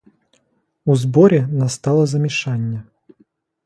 У зборі настало замішання.